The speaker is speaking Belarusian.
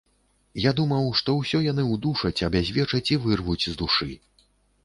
Я думаў, што ўсё яны ўдушаць, абязвечаць і вырвуць з душы.